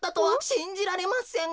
しんじられません。